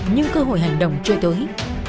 nhưng cơ hội hành động chưa tới